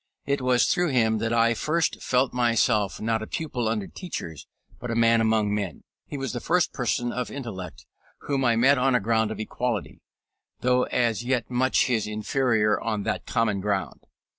It was through him that I first felt myself, not a pupil under teachers, but a man among men. He was the first person of intellect whom I met on a ground of equality, though as yet much his inferior on that common ground.